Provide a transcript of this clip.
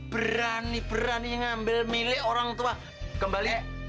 berani berani ngambil milik orang tua kembali